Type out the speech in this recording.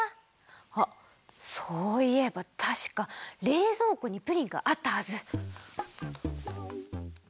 あっそういえばたしかれいぞうこにプリンがあったはず。